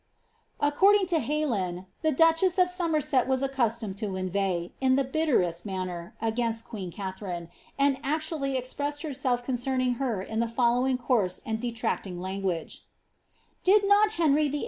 According to Heylin, the duchess of Somerset was accustomed to in veigh, in the bitterest manner, against queen Katharine, and actually ex pressed herself concerning her in the following coarse and detracting language: — ^^Did not Henry VIII.